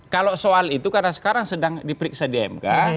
kalau soal itu karena sekarang sedang diperiksa di mk